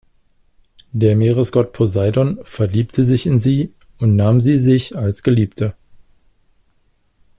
Der Meeresgott Poseidon verliebte sich in sie und nahm sie sich als Geliebte.